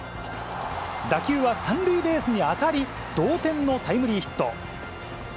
打球は３塁ベースに当たり、同点のタイムリーヒット。